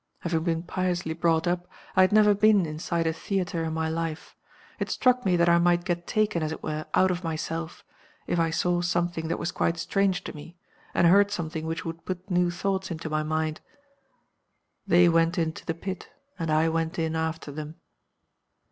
Having been piously brought up, I had never been inside a theatre in my life. It struck me that I might get taken, as it were, out of myself, if I saw something that was quite strange to me, and heard something which would put new thoughts into my mind. "They went in to the pit; and I went in after them.